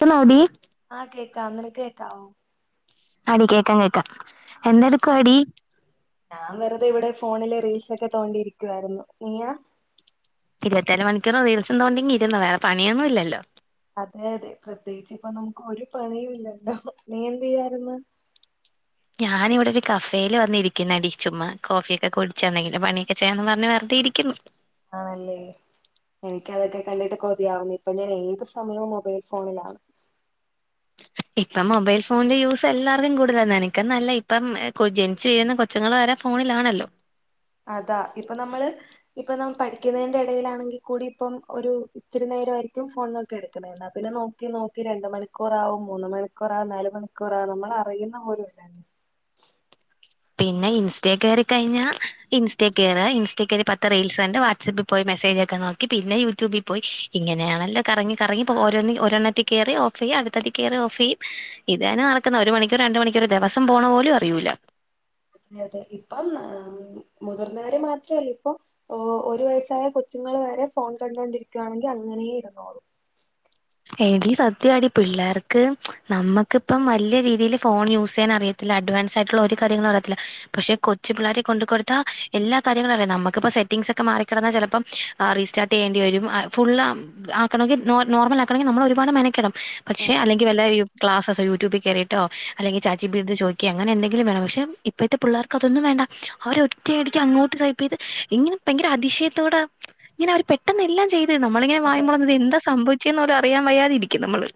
കിടന്നോടി ആഹ് കേക്കാം നിനക്ക് കേക്കാവോ ആടി കേക്കാം കേക്കാം എന്തെടുക്കുവാടീ ഞാൻ വെറുതെ ഇവിടെ ഫോണില് റീൽസ് ഒക്കെ തോണ്ടിയിരിക്കുവായിരുന്നു നീയാ ഇരുപത്തിനാലു മണിക്കൂ റും റീൽസ് തോണ്ടി ഇരുന്നോ വേറെ പണിയൊന്നും ഇല്ലല്ലോ അതെ അതെ പ്രത്യേകിച്ച് ഇപ്പൊ നമുക്ക് ഒരു പണിയും ഇല്ലല്ലോ നീ എന്ത് ചെയ്യാരുന്നു ഞാനിവിടെ ഒരു കഫേയിൽ വന്നിരിക്കുന്നു എടി ചുമ്മാ കോഫിയൊക്കെ കുടിച്ചന്നെങ്കിലോ പണിയൊക്കെ ചേന്ന് പറഞ്ഞ് വെറുതെ ഇരിക്കുന്നു ആണല്ലേ എനിക്കതൊക്കെ കണ്ടിട്ട് കൊതിയാവുന്നു ഇപ്പൊ ഞാൻ ഏത് സമയവും മൊബൈൽ ഫോണിലാ ഇപ്പം മൊബൈൽ ഫോണിന്റെ യൂസ് എല്ലാവർക്കും കൂടുതലാണ് നിനക്ക്ന്നല്ലെ ഇപ്പം ജനിച്ച് വീഴുന്ന കൊ ച്ചുങ്ങള് വരെ ഫോണിലാണല്ലോ അതാ ഇപ്പൊ നമ്മള് ഇപ്പൊ നമ്മ പഠിക്കുന്നതിന്റെ എടലാണെങ്കിൽ കൂടി ഇപ്പം ഒരു ഇത്തിരി നേരായിരിക്കും ഫോണിനൊക്കെ എടുക്കുന്നെ എന്നാ പിന്നെ നോ ക്കി നോക്കി രണ്ട് മണിക്കൂറാവും മൂന്ന് മണിക്കൂർ ആവും നാല് മണിക്കൂറാവും നമ്മൾ അറിയുന്ന പോലും ഇല്ല പിന്നെ ഇൻസ്റ്റെ കയറി കഴിഞ്ഞാൽ ഇൻസ്റ്റ കയറ ഇൻസ്റ്റ കയറി പത്ത് റീൽസ് ഉണ്ട് വാട്സ്ആപ്പ് പോയി മെസ്സേജ് ഒക്കെ നോക്കി പിന്നെ യൂട്യൂബിൽ പോയി ഇങ്ങനെയാണല്ലോ കറങ്ങി കറങ്ങി ഇപ്പോ ഓരോ ഒരെണ്ണത്തി കയറി ചെയ്യ അടുത്തടി കേറാ ഓഫ് ചെയ്യും ഇതന്നെ നടക്കുന്ന ഒരു മണിക്കൂർ രണ്ട് മണിക്കൂർ ദിവസം പോണ പോലും അറിയൂല്ല അതെ ഇപ്പം മുതിർന്നവര് മാത്രല്ല ഇപ്പം ഓഹ് ഒരു വയസ്സായ കൊച്ചുങ്ങള് വരെ ഫോൺ കണ്ടോണ്ടിരിക്കുകയാണെങ്കി അങ്ങനെ ഇരുന്നോളൂം എടി സത്യവാടി പിള്ളേർക്ക് നമ്മുക്കിപ്പം വലിയ രീതിയിൽ ഫോൺ യൂസ് ചെയ്യാൻ അറിയ ത്തില്ല അഡ്വാൻസ് ആയിട്ടുള്ള ഒരു കാര്യങ്ങളും അറിയത്തില്ല പക്ഷെ കൊച്ചു പിള്ളേരെ കൊണ്ട് കൊടുത്ത എല്ലാ കാര്യങ്ങളും അറിയാം നമുക്കിപ്പോ സെ സെറ്റിംഗ്സ് ഒക്കെ മാറി കെടന്ന ചെലപ്പം റീസ്റ്റാർട്ട് ചെയ്യേണ്ടിവരും ഫുൾ ആക്കണങ്കിൽ നോർമൽ ആക്ക ക്കണെങ്കി നമ്മള് ഒരുപാട് മെനക്കെടും പക്ഷെ അതെ അല്ലെങ്കിൽ വല്ല ക്ലാസ്സ്സ് യൂടൂബിൽ കയറിട്ടോ അലെങ്കി ചാറ്റജീപിറ്റിടോ ചോദിക്കിയോ അങ്ങനെ എന്തെങ്കിലും വേണം പക്ഷെ ഇ പ്പോത്തെ പിള്ളേർക്ക് അതൊന്നും വേണ്ട അവര് ഒറ്റയടിക്ക് അങ്ങോട്ട് ടൈപ്പ് ചെയ്ത് ഇങ്ങനെ ഭയങ്കര അതിശയത്തോടെ ഇങ്ങനെ അവര് പെട്ടന്നെല്ലാം ചെയ്ത് നമ്മളിങ്ങനെ അതെ വായും പൊളന്ന് എന്താ സംഭവിച്ചേന്ന് പോലും അറിയൻ വയ്യാതെ ഇരിക്കും നമ്മള്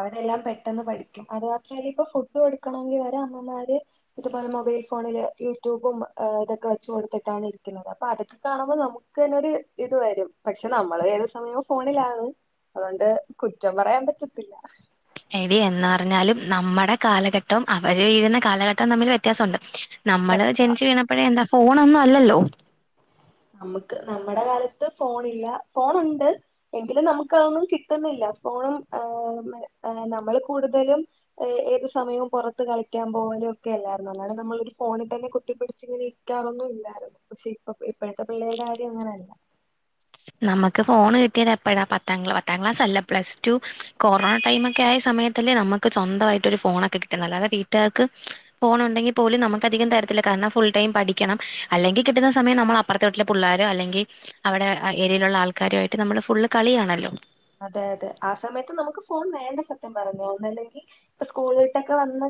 അവരെല്ലാം പെട്ടെന്ന് പഠിക്കും അത് മാത്രല്ല ഇപ്പൊ ഫുഡ് കൊടുക്കണമെങ്കിൽ വരെ അമ്മമാര് ഇതുപോലെ മൊബൈൽ ഫോണില് യൂട്യൂബും ഇതൊക്കെ വെച്ച് കൊടുത്തിട്ടാണ് ഇരിക്കുന്നത് അപ്പൊ അതൊക്കെ കാണുമ്പോൾ നമുക്ക് ക്കെന്നെ ഒരു ഇത് വരും പക്ഷെ നമ്മള് ഏത് സമയവും ഫോണിലാണ് അതുകൊണ്ട് കുറ്റം പറയാൻ പറ്റത്തില്ല എടി എന്ന് പറഞ്ഞാലും നമ്മുടെ കാലഘട്ടവും അവര് വീഴുന്ന കാലഘട്ടവും തമ്മിൽ വ്യത്യാസമുണ്ട് നമ്മള് സത്യം ജനിച്ചു വീണപ്പഴേ എന്താ ഫോണൊന്നും അല്ലല്ലോ നമുക്ക് നമ്മുടെ കാലത്ത് ഫോണില്ല ഫോണുണ്ട് എങ്കിലും നമുക്കതൊന്നും കിട്ടുന്നില്ല ഫോണും ഏഹ് നമ്മള് കൂടുതലും ഏഹ് ഏത് സമയവും പുറത്ത് കളിക്കാൻ പോലും ഒക്കെ അല്ലാരുന്നോ നമ്മളൊരു ഫോണിൽ തന്നെ കുത്തിപ്പിടിച്ച് ഇങ്ങനെ ഇരിക്കാറൊന്നും ഇല്ലായിരുന്നു പക്ഷെ ഇപ്പ ഇപ്പഴത്തെ പിള്ളേരുടെ കാര്യം അങ്ങനെയല്ല നമുക്ക് ഫോൺ കിട്ടിയത് എപ്പഴാ പത്താംക്ല പത്താം ക്ലാസ് അല്ല പ്ലസ് ടു കൊറോണ ടൈമ് ഒക്കെ ആയ സമയ ത്തല്ലേ നമുക്ക് സ്വന്തവായിട്ട് ഒരു ഫോണൊക്കെ കിട്ടുന്നത് അല്ലാതെ വീട്ടുകാർക്ക് ഫോൺ ഉണ്ടെങ്കിൽ പോലും നമുക്ക് അധികം തരത്തില്ല കാരണം ഫുൾ ടൈം പഠിക്കണം അല്ലെങ്കിൽ കിട്ടുന്ന സമയം നമ്മള പ്പുറത്തെ വീട്ടിലെ പിള്ളോരോ അല്ലെങ്കിൽ അവിടെ ഏരിയയിലുള്ള ആൾക്കാരു ആയിട്ട് നമ്മള് ഫുൾ കളിയാണല്ലോ അതെ അതെ ആ സമയത്ത് നമുക്ക് ഫോൺ വേണ്ട സത്യം പറഞ്ഞ ഒന്നല്ലെങ്കി ഇപ്പ സ്കൂൾ വിട്ടൊക്കെ വന്ന്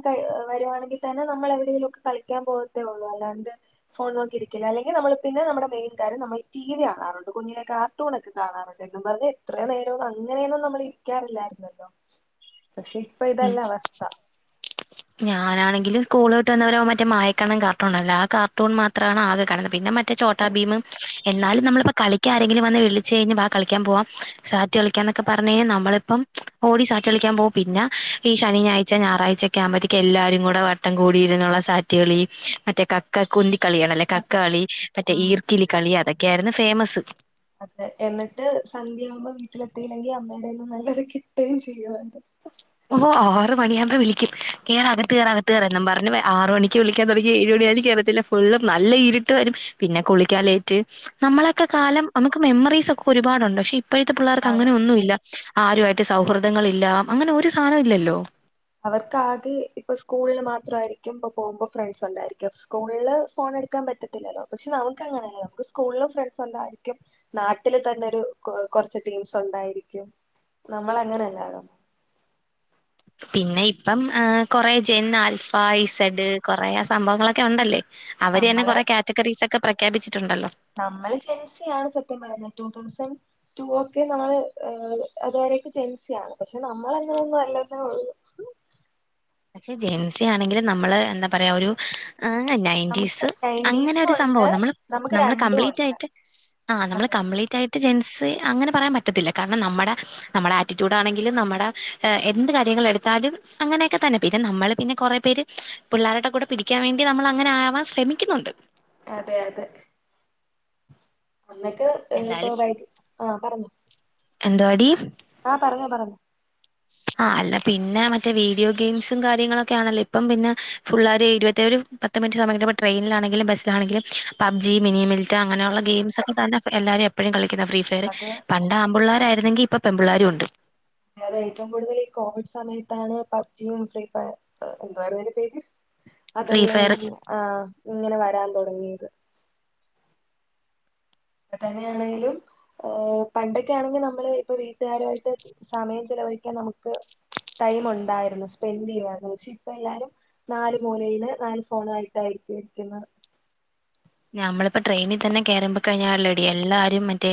വരുവാണെങ്കിൽ തന്നെ നമ്മൾ എവിടെയെങ്കിലും ഒക്കെ കളിക്കാൻ പോകത്തേ ഉള്ളൂ അല്ലാണ്ട് ഫോൺ നോക്കിയിരിക്കില്ല അല്ലെങ്കിൽ നമ്മൾ പിന്നെ നമ്മുടെ മെയിൻ കാര്യം നമ്മൾ ടി വി കാണാറുണ്ട് കുഞ്ഞിലെ കാർ ടൂണൊക്കെ കാണാറുണ്ട് എന്നു പറഞ്ഞ് ഇത്രയും നേ രം അങ്ങനെയൊന്നും നമ്മൾ ഇരിക്കാറില്ലായിരുന്നല്ലോ പക്ഷെ ഇപ്പൊ ഇതല്ല അവസ്ഥ ഞാനാണെങ്കിലും സ്കൂള് വിട്ട് വന്നാ മറ്റേ മായക്കണ്ണൻ കാർട്ടൂണല്ലേ ആ കാർട്ടൂൺ മാത്രവാണ് ആകെ കാണുന്നത് പിന്നെ മറ്റേ ചോട്ടാ ഭീമും എന്നാലും നമ്മളിപ്പോ കളി ക്കാൻ ആരെങ്കിലും വന്ന് വിളിച്ചു കഴഞ്ഞ് കളിക്കാൻ പോവാ സാറ്റ് കളിക്കാന്നൊക്ക പറഞ്ഞ് നമ്മളിപ്പം ഓടി സാറ്റ് കളിക്കാൻ പോവും പിന്നെ ഈ ശനിയാഴ്ച ഞായറാഴ്ച മ്പോത്തേക്കും എല്ലാരും കൂടെ വട്ടം കൂടിരുന്നുള്ള സാറ്റുകളി മറ്റേ ക ക കുന്തി കളിയാണല്ലെ കക്കാളി മറ്റേ ആഹ് ഈർക്കിലി കളി അതൊക്കെ ആയിരുന്നു ഫേമസ് അതെ എന്നിട്ട് സന്ധ്യയാവുമ്പോ വീട്ടിലെത്തിയില്ലെങ്കിൽ അമ്മയുടെന്നും നല്ലത് കിട്ടുകയും ചെയ്യാരുന്നു ഓഹ് ആറ് മണിയാവുമ്പോ വിളിക്കും കേറകത്ത് കേറ് അകത്ത് കേറ് എന്നും പറഞ് ആറ് മണിക്ക് വിളിക്കാ തുടങ്ങി ഏഴ് മണിയാലും കയറ ത്തില്ല ഫുള്ള് നല്ല ഇരിട്ട് വരും പിന്നെ കുളിക്കാലേറ്റ് നമ്മളൊക്കെ കാലം നമുക്ക് മെമ്മറീസ് ഒക്കെ ഒരുപാടുണ്ട് പക്ഷെ ഇപ്പഴത്തെ പിള്ളേർക്ക് ആണ് അങ്ങനെ ഒന്നും ഇല്ല ആരുമായിട്ട് സൗഹൃദങ്ങൾ ഇല്ല അങ്ങനെ ഒരു സാനം ഇല്ലല്ലോ അവർക്ക് ആകെ ഇപ്പ സ്കൂളിൽ മാത്രവായിരിക്കും ഇപ്പ പോകുമ്പോ ഫ്രണ്ട്സ് ഉണ്ടായിരിക്ക സ്കൂളില് ഫോൺ എടുക്കാൻ പറ്റത്തി ത്തില്ലല്ലോ പക്ഷെ നമുക്കങ്ങനല്ല നമുക്ക് സ്കൂളിലും ഫ്രണ്ട്സ് ഉണ്ടായിരിക്കും നാട്ടിൽ തന്നെ ഒരു കുറച്ച് ടീംസ് ഉണ്ടായിരിക്കും നമ്മൾ അങ്ങനെല്ലാല്ലോ പിന്നെ ഇപ്പം കൊറെ ജെൻ ആൽഫ സഡ് കുറെേ സംഭവങ്ങളൊക്കെ ഉണ്ടല്ലേ അവര് തന്നെ നമ്മള് കൊറെ കാറ്റഗറീസ് ഒക്കെ പ്രഖ്യാപിച്ചിട്ടുണ്ടല്ലോ നമ്മൾ ജെൻസ ആാണ് സത്യം പറയുന്നത് ടു തൗസൻഡ് ഒക്കെ നമ്മള് അതുവരെയൊക്കെ ജെൻസ ആണ് പക്ഷെ നമ്മള അങ്ങനെ ഒന്നും അല്ലതെ ഒഴു ജെൻ ആണെങ്കിൽ നമ്മള് എന്താ പറയാ ഒരു നമുക്ക് നയന്റ്റീസ് അങ്ങനെ നയന്റീസും ഒരു ഉണ്ട് സംഭവം നമ്മള് നമുക്ക് നമ്മള് രണ്ടും കംപ്ലീറ്റ് ഉണ്ട് ആയിട്ട് ആ് നമ്മള് അതെ കംപ്ലീറ്റ് ആയിട്ട് ജെൻസ് അങ്ങനെ പറയാൻ പറ്റത്തില്ല കാരണം നമ്മുടെ നമ്മുടെ ആറ്റിറ്റ്യൂഡ് ആണെങ്കിലും നമ്മുടെ എന്ത് കാര്യങ്ങൾ എടുത്താലും അങ്ങനെ ക്കെ തന്നെ പിന്നെ നമ്മള് പിന്നെ കൊറെ പേ പിള്ളേരുടെ കൂടെ പിടിക്കാൻ വേണ്ടി നമ്മൾ അങ്ങനെ ആവാൻ ശ്രമിക്കുന്നുണ്ട്. അതെ അതെ ഒന്നൊക്കെ ഇപ്പൊ വൈ ആഹ പറഞ്ഞോ എന്തവാടി ആഹ പറഞ്ഞോ പറഞ്ഞോ ആ അല്ല പിന്നെ മറ്റേ വീഡിയോ ഗെയിംസും കാര്യങ്ങളൊക്കെ ആണല്ലോ ഇപ്പം പിന്നെ ഫുള്ളർ എഴുപത്തര് പ റ്റ സമയ ഇപ്പപ്പോട്രെയിനാണെങ്കിലും ബസിലാണെങ്കില പബ്ജി മിനി മിലറ്റ അനെയുള്ള ഗെയിംസ് ഒക്കെ തെ എല്ലാവരും എപ്പോഴും കളിക്കുന്ന ഫ്രീ ഫയർ അത് പണ്ട ആമ്പിള്ളാരരായിരെങ്കിൽ ഇപ്പൊ പെമ്പിള്ളേരുും ഉണ്ട്. വേറെ ഏറ്റവും കൂടുതൽ ഈ കോവിഡ് സമയത്താണ് പബ്ജിയും ഫ്രീ ഫയർ എന്തു പറുന്നതിന്റെ പേര് ഫ്രീ അതല്ലെ ഫയർ ആ ഇങ്ങനെ വരാൻ തുടങ്ങിയത്. ഇ തന്നെയാണെങ്കിലും ഏ പണ്ടൊക്കെ ആണെങ്കിൽ നമ്മള് ഇപ്പൊ വീട്ടുകാരുയിട്ട് സമയം ചെലവഴിക്കൻ നമുക്ക് ടൈം ഉണ്ടായിരുന്നു സ്പെൻഡ് ചെയ്യുായിരുന്നു പക്ഷെ ഇപ്പ എല്ലാരും നാല് മൂലയില് നാല് ഫോണ ആയിട്ട്യിരിക്കരിക്കുന്നത്. ഞമ്മളിപ്പോ ട്രെയിനിൽ തന്നെ കേയറമ്പോ കഴിഞ്ഞാൽ ടി എല്ലാരും മറ്റേ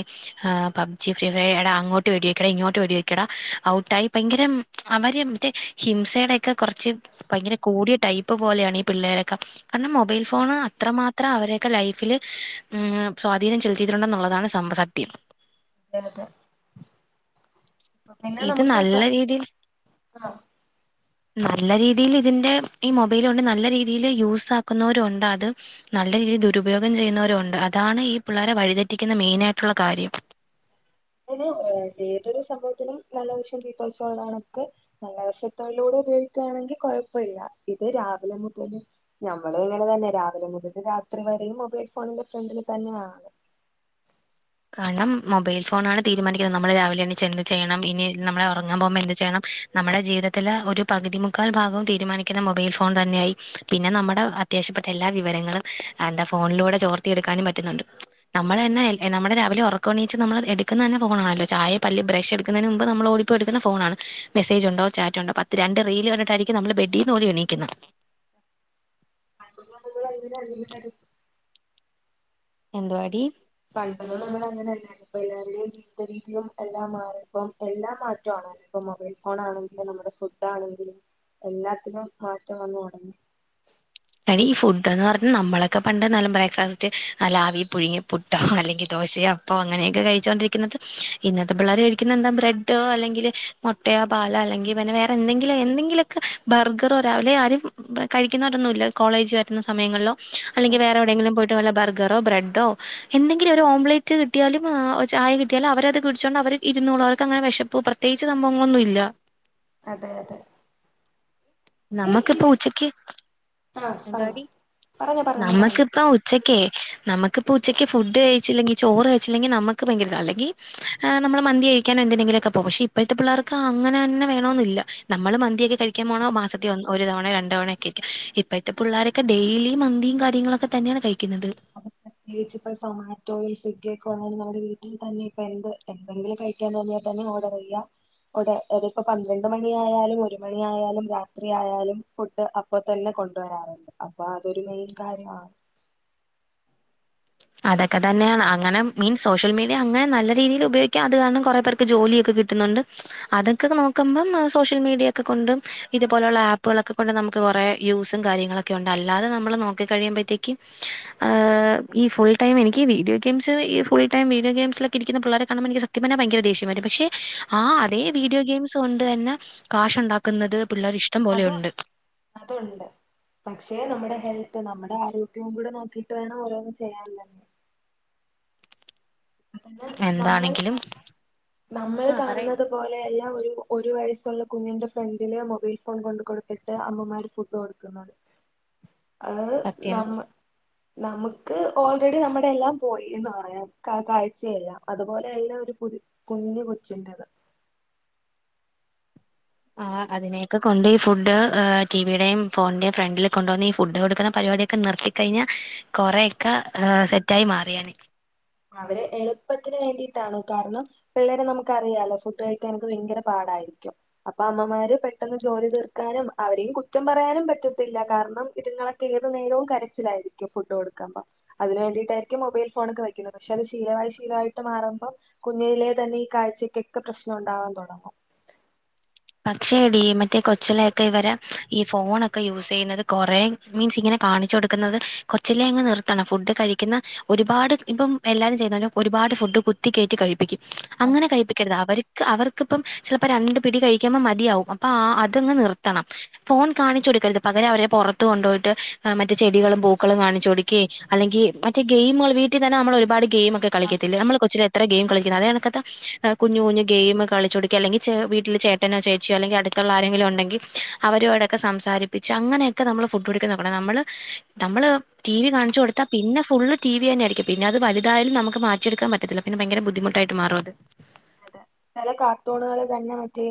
ആ പബ്ജി ഫ്രീ ഫയർടാ അങ്ങോട്ട് വേടിവെക്കടാ ഇങ്ങോട്ട് വേടിവെക്കടാ ഔട്ടായി ഭയങ്കരം അവര് മറ്റേ ഹിംസയുടെൊക്കെ കുറച്ച് ഭയങ്കര കൂടിയ ടൈപ്പ് പോലെയാണ് ഈ പിള്ളേരൊക്കെ കാരണം മൊബൈൽ അതാ ഫോണ് അത്രമാത്രം അവരെ ഒക്കെ ലൈഫിൽ സ്വാധീനം ചെലുത്തിയിട്ടുണ്ടെന്നുള്ളതാണ് സ സത്യം. അതെ അതെ പിന്നെ ഇത് നമുക്ക് ഇപ്പ നല്ല രീതിയിൽ ആഹ് നല്ല രീതിൽ ഇതിന്റെ ഈ മൊബൈൽ കൊണ്ട് നല്ല രീതിയിൽ യൂസ ആാക്കുന്നവരുണ്ട് അത് നല്ല രീതിയിൽ ദുരുപയോഗം ചെയ്യുന്നവരു ഉണ്ട് അതാണ് ഈ പിള്ളേരെ വഴിതെറ്റിക്കുന്ന മെയിന ആായിട്ടുള്ള കാര്യം. പിെ ഏതൊരു സംഭവത്തിനും നല്ലവശം തീത്ത വച്ചള്ളാണ് നമക്ക് നല്ല വശത്തൊഴിലൂടെ ഉപയോഗിക്കുകയാണെങ്കിൽ കൊഴപ്പ ഇില്ല ഇത് രാവിലെ മുതല് നഞമ്മള് ഇങ്ങനെ തന്നെ രാവിലെ മുതൽ രാത്രി വരെയും മൊബൈൽ ഫോണിന്റെ ഫ്രണ്ടിൽ തന്നെയാണ്. കാരണം മൊബൈൽ ഫോണാണ് തീരുമാനിക്കുന്നത് നമ്മള് രാവിലെ എണീച്ച് എന്ത് ചെയ്യണം ഇനി നമ്മളെ ഉറങ്ങാൻ പോകുമ്പോ എന്ത് ചെയ്യണം. നമ്മുടെ ജീവിതത്തിലെ ഒരു പകുതിമുക്കാൽ ഭാഗവും തീരുമാനിക്കുന്ന മൊബൈൽ ഫോൺ തന്നെയായി പിന്നെ നമ്മുടെ അത്യാവശ്യപ്പെട്ട എല്ലാ വിവരങ്ങളും എന്താ ഫോണിലൂടെ ചോർത്തിയെടുക്കാനും പറ്റുന്നുണ്ട് നമ്മൾ തന്നെ ആയിര നമ്മ രാവിലെ ഉറക്കുണീച്ചച്ച് നമ്മള് എടുക്കുന്ന തന്നെ ഫോണല്ലോ ചായ പല്ലി ബ്രഷ് എടുുന്നന് മുമ്പ് നമ്മൾ ഓടിപ്പോ്ടുുന്ന ഫോണണ്. മെസേജ് ഉണ്ടോ ചാറ്റ ഉണ്ടോ പത്ത് രണ്ട് റയിൽ പറഞ്ഞിട്ടായിും നമ്മള് ബെഡീന്ന് പോലെ എണീക്കുന്നത്. അങ്ങനെ അല്ലരും എന്തവാടി പഴപ്പോ നമ്മൾ അങ്ങനെയല്ല ഇ എല്ലരുടെയും ഇത്ത രീതിും എല്ലാം മാറി ഇപ്പം മാറി എല്ലാ മാറ്റംണല്ല ഇപ്പ മൊബൈൽ ഫോൺ ആണെങ്കിലും നമ്മുടെ ഫുഡ ആണെങ്കിലും എല്ലാത്തിനും മാറ്റം വന്നു തുടങ്ങി. എടീ ഫുഡ് എന്ന് പറഞ്ഞൽ നമ്മളൊക്കെ പണ്ട് നല്ല ബ്രേക്ക്ഫാസ്റ്റ് നല്ലവി പുഴുങ്ങി് ട്ടോ അല്ലെങ്കിൽ ദോശയോ അപ്പോ അങ്ങനെയൊക്കെ കഴിച്ചോണ്ടിരിക്കുന്നത് ഇന്നത്തെ പിള്ളേർ കഴിക്കുന്ന എന്താ ബ്രെഡോ അല്ലെങ്കിൽ മുട്ടയ പാല അല്ലെങ്കിൽ പിന്നെ വേറെ എന്തെങ്കിലും എന്തെങ്കിലുമൊക്കെ ബർഗർോരാവെ ആരും കഴിക്കുന്നവരൊന്നുമ ഇല്ല കോളേജ് വരുന്ന സമയങ്ങളോ അല്ലെങ്കിൽ അതെ വേറെ എവിടെയെങ്കിലും പോയിട്ട് വല്ല ബർഗറോ ബ്രെഡോ എന്തെങ്കിലും ഒരു ഓംലേറ്റ് കിട്ടിയാലും ചായ കിട്ടിയാലും അവരത് കടിച്ചോണ്ട് അവർ ഇരുന്നള്ളൂ അവർ അങ്ങനെ വിശപ്പ് ത്തേച്ച് സംഭവങ്ങളൊന്നുംല്ല അതെ അതെ ഏ ഈ നമ്മക്ക്പ്പം ഡി ഉച്ചക്ക് ആ പറഞ്ഞോ എന്തവാടി പറഞ്ഞോ പറഞ്ഞോ നീ പറഞ്ഞോ നമ്മക്ക്പ്പം ഉച് ഉച്ചക്കേ നമ്മക്ക്പ്പം ഉച്ചക്ക് ഫുഡ് കയ്ച്ചില്ലെങ്കി ചോറ് കയ്ച്ചില്ലെങ്കി നമ്മക്ക് ഭയങ്കര്താ അല്ലെങ്കി ആഹ് നമ്മള് മന്തികയ്ക്കാനെന്തിനെങ്കിലൊക്കെ പോകും പക്ഷെ ഇപ്പോഴത്തെ പിള്ളേർക്ക് അങ്ങനെ തന്നെ വേണോന്നില്ല നമ്മള് മന്തിയക്കെ കഴിക്കാൻപോണേ മാസ ഒരു തവണേ രണ്ട് തവണേക്കെക്കെ ഇപ്പയത്തെ പിള്ളാരൊക്കെ ഡെയിലിയിം മന്തിം കാര്യങ്ങളൊക്കെ തന്നെയാണ് കഴിക്കുന്നത് അപ്പൊ പ്രത്യേകിച്ച്പ്പ സൊമാറ്റോയും സ്വിഗ്ഗിയൊക്കെ ഒള്ളത് നമ്മുടെ വീട്ടിൽ തന്നെ ഇപ്പ എന്ത് എന്തെങ്കിലും കഴി ക്കാൻ തോന്നിയ തന്നെ ഓഡറ്യ്യാ ഒടെ എനീപ്പം പന്ത്രണ്ട് മണിയായാലും ഒരുമണിയായാലും രാത്രിയായാലും ഫുഡ് അപ്പൊ തന്നെ കൊണ്ടുവരാറുണ്ട് അപ്പൊ അതൊരു മെയിൻ കാര്യമാണ് അതൊക്കെ തന്നെയാണ് അങ്ങനെ മീൻസ് സോഷ്യൽ മീഡിയ അങ്ങനെ നല്ല രീതീല് ഉപയോഗിക്കുക അത് കാരണം കുറേ പേർക്ക് ജോലിയൊക്കെ കിട്ടുന്നുണ്ട് അതക്കെ നോക്കുമ്പം ആഹ് സോഷ്യൽ മീഡിയക്കെകൊണ്ടും ഇതുപോലുള്ള ആപ്പുകളൊക്കെ കൊണ്ടും നമുക്ക് കൊറേ യൂസും കാര്യങ്ങളൊക്ക് ക്കെയുണ്ട് അല്ലാതെ നമ്മള് നോക്കി കഴിയുമ്പഴത്തേക്കും എപ്പ്‌ ഈ ഫുൾടൈം എനിക്കീ വീഡിയോഗെയിംസ് ഈ ഫുൾടൈം വീഡിയോഗെയിംസിലക്കെയിരിക്ക്ന്ന പിള്ളാരെ കാണുമ്പോ എനിക്ക് സത്യം പറഞ്ഞാ ഭയങ്കര ദേഷ്യം വരും പക്ഷെ ആഹ് അതേ വീഡിയോഗെയിംസ് കൊണ്ട് തന്നെ കാശ് ഒണ്ടാക്കുന്നത് പിള്ളേര്ഷ അതൊൺ അതൊണ്ട് പക്ഷെ നമ്മടെ ഹെൽത്ത് നമ്മടെ ആരോഗ്യോം കൂടെ നോക്കിയിട്ട് വേണം ഓരോന്ന് ചെയ്യാൻല്ലേ അതന്നെ നമ്മള് എന്താണെങ്കിലും നമ്മൾ ആഹ് പറയ് കാണുന്നതൊ പോലെയല്ലാ ഒര് ഒരു വയസ്സൊള്ള കുഞ്ഞിൻ്റെ ഫ്രണ്ടില് മൊബൈൽ ഫോൺ കൊണ്ട് കൊടുത്തിട്ട് അമ്മമാര് ഫുഡ് കൊടുക്കുന്നത് അത് സത്യം നമ്മൾ നമ്ക്ക് ഓൾറെഡി നമ്മടെയെല്ലാം പോയീന്ന് പറയാം ക കാഴ്ചയെല്ലാം അതുപോലെയല്ല ഒരു പുത് കുഞ്ഞ് കൊച്ച്ന്റത് ആഹ് അതിനെക്കെകൊണ്ട് ഈ ഫുഡ് ഏഹ് ടീവീടേം ഫോണിന്റേം ഫ്രണ്ടില് കൊണ്ട്‌ വന്ന് ഈ ഫുഡ് കൊടുക്ക്ന്ന പരിപാടിയക്കെ നിർത്തി കയ്ഞ്ഞ കൊറെയക്കെ ഏഹ് സെറ്റായി മാറിയേനെ അവര് എള്പ്പത്തിന് വേണ്ടീട്ടാണ് കാരണം പിള്ളേരെ നമുക്കറിയാലോ ഫുഡ് കഴിക്കാനക്കെ ഭയ്ങ്കര പാടാരിക്കും അപ്പ അമ്മമാര് പെട്ടെന്ന് ജോലി തീർക്കാനും അവരെയും കുറ്റം പറയാനും പറ്റത്തില്ല കാരണം ഇതുങ്ങളെ പ്പം ഏത് നേരോം കരച്ചിലാരിക്കും ഫുഡ് കൊടുക്ക്മ്പം അതിന് വേണ്ടിയിട്ടാരിക്കും മൊബൈൽ ഫോണക്കെ വെക്ക് ഇതക്കെ ശെല ശീലവായി ശീലവായിട്ട് മാറുമ്പം കുഞ്ഞെലെ തന്നെ ഈ കാഴ്ചക്കെക്കെ പ്രശ്നം ഉണ്ടാവാൻ തൊടങ്ങും പക്ഷേ ഡീ മറ്റേ കൊച്ചിലക്കെ ഇവര് ഈ ഫോണൊക്കെ യൂസ് ചെയ്യുന്നത് കൊറേ മീൻസ് ഇങ്ങനെ കാണിച്ച് കൊടുക്കുന്നത് കൊച്ചിലേ അങ്ങ് നിർത്തണം ഫുഡ് കഴിക്കുന്ന ഒരുപാട് ഇപ്പം എല്ലാരും ചെയ്യ്‌ന്നത് ഒരുപാട് ഫുഡ് കുത്തിക്കയറ്റി കഴിപ്പിക്കും അങ്ങനെ അതെ കഴിപ്പിക്കരുത് അവര്ക്ക് അവർക്കിപ്പം ചെലപ്പം രണ്ട് പിടി കഴി ക്കുമ്പം മതിയാവും അപ്പാ ആഅതങ്ങ് നിർത്തണം ഫോൺ കാണിച്ചു കൊടുക്കരുത് പകരം അവരെ പൊറത്ത് കൊണ്ടുപോയിട്ട് അഹ് മറ്റ് ചെടികളും പൂക്കളും കാണിച്ചു കൊടുക്ക ക്കേ അല്ലെങ്കി മറ്റേ ഗെയിമ്കള് വീട്ടിത്തന്നെ നമ്മളൊരുപാട് ഗെയ്മക്കെ അതെ കളിക്കത്തില്ലേ നമ്മള് കൊച്ച്ലേ എത്ര ഗെയിം കളിക്കുന്നെ അതേകണക്കത്തെ ഏഹ് കുഞ്ഞ് കുഞ്ഞ് ഗെയിം കളിച്ച്കൊട്ക്കേ അല്ലെങ്കിൽ ചേ വീട്ടില് ചേ ട്ടനോ ചേച്ചിയോ അല്ലെങ്കി അടുത്തൊള്ള ആരെങ്കിലും ഒണ്ടെങ്കി അവരോടൊക്കെ സംസാരിപ്പിച്ച് അങ്ങനെയക്കെ നമ്മള് ഫുഡ് കൊടുക്കാൻ നോക്കണം നമ്മള് നമ്മള് ടീവി കാണിച്ചു കൊടുത്താ പിന്നെ ഫുള്ള് ടീവി തന്നെ ആയിരിക്കും പിന്നെ അത് വലുതായാലും നമുക്ക് മാറ്റിയെടുക്കാൻ പറ്റത്തില്ല പിന്നെ ഭയങ്കര ബുദ്ധിമുട്ടായിട്ട് മാറും അത് അതെ ചെല കാർട്ടൂണുകള് തന്നെ മറ്റേ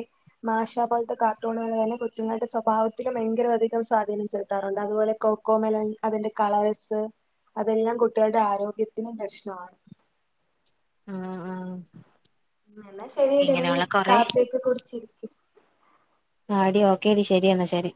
മാഷാ പോലത്തെ കാർട്ടൂണുകള് തന്നെ കൊച്ച്ങ്ങൾടെ സ്വഭാവത്തിലും ഭയങ്കര അധികം സ്വാധീനം ചെലുത്താറുണ്ട് അതുപോലെ കോ ക്കോമെലൺ അതിന്റെ കളറ്സ് അതെല്ലാം കുട്ടികൾടെ ആരോഗ്യത്തിനും പ്രശ്നമാണ് ആഹ് ആഹ് എന്നാ ശെരിയെടീ നീ ഇങ്ങനെയുള്ള കൊറെ കാപ്പിക്കെ കുടിച്ചിരി ആടീ ഓക്കേടി ശെരി എന്നാ ശെരി